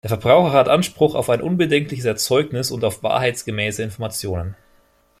Der Verbraucher hat Anspruch auf ein unbedenkliches Erzeugnis und auf wahrheitsgemäße Informationen.